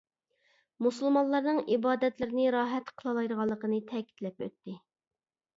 مۇسۇلمانلارنىڭ ئىبادەتلىرىنى راھەت قىلالايدىغانلىقىنى تەكىتلەپ ئۆتتى.